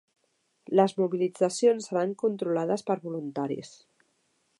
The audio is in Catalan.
Les mobilitzacions seran controlades per voluntaris